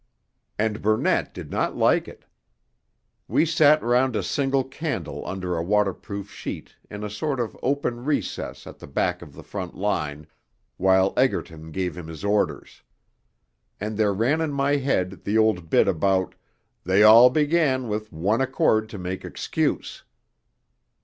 And Burnett did not like it. We sat round a single candle under a waterproof sheet in a sort of open recess at the back of the front line, while Egerton gave him his orders. And there ran in my head the old bit about 'they all began with one accord to make excuse.'